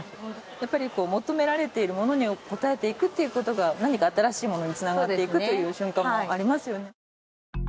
やっぱり求められているものには応えていくっていうことが何か新しいものにつながっていくという瞬間もありますよね。